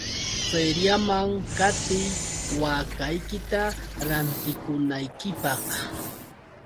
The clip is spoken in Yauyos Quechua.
Feriaman qatiy waakaykita rantikunaykipaq.